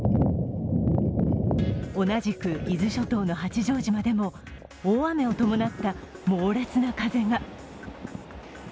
同じく伊豆諸島の八丈島でも大雨を伴った猛烈な風が。